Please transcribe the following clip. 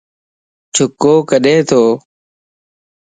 چھڪو ڪڏي تو؟